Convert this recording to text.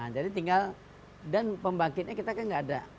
jadi tinggal dan pembangkitnya kita kan tidak ada